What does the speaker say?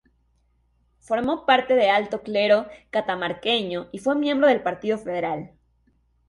Formó parte de alto clero catamarqueño y fue miembro del Partido Federal.